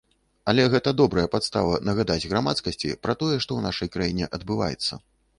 Але гэта добрая падстава нагадаць грамадскасці пра тое, што ў нашай краіне адбываецца.